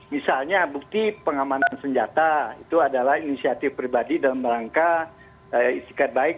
misalnya bukti pengamanan senjata itu adalah inisiatif pribadi dalam rangka isikat baik